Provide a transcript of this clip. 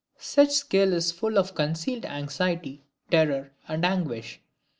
Such skill is full of concealed anxiety, terror, and anguish!